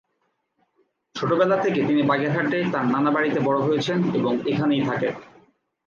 ছোটবেলা থেকে তিনি বাগেরহাটে তাঁর নানাবাড়িতে বড় হয়েছেন এবং এখানেই থাকেন।